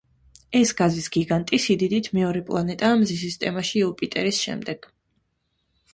ეს გაზის გიგანტი სიდიდით მეორე პლანეტაა მზის სისტემაში იუპიტერის შემდეგ.